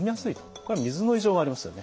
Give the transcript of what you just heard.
これは水の異常がありますよね。